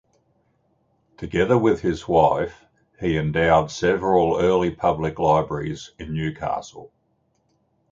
Together with his wife he endowed several early public libraries in Newcastle.